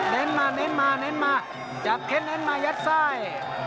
เน้นมาเน้นมาเน้นมาจับเข้นเน้นมายัดไส้